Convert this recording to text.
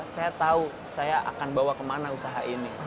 saya tahu saya akan bawa kemana usaha ini